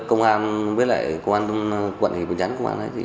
công an với lại quận phường hiệp định chánh